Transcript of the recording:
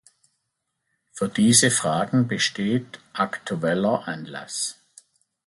Für diese Fragen besteht aktueller Anlass.